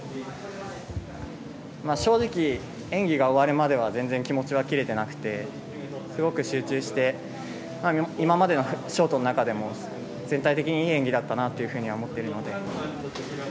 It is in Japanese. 正直、演技が終わるまでは全然気持ちは切れていなくてすごく集中して今までのショートの中でも全体的に、いい演技だったなとは思っているので。